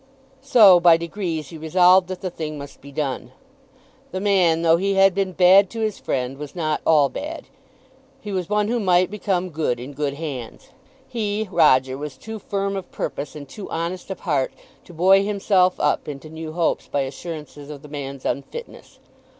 So, by degrees, he resolved that the thing must be done. The man, though he had been bad to his friend, was not all bad. He was one who might become good in good hands. He, Roger, was too firm of purpose and too honest of heart to buoy himself up into new hopes by assurances of the man's unfitness.